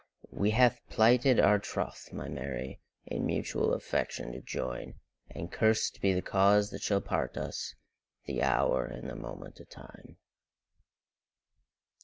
We hae plighted our troth, my Mary, In mutual affection to join; And curst be the cause that shall part us! The hour and the moment o' time!